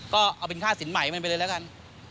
ก็เอาเป็นค่าสินใหม่มันไปเลยแล้วกัน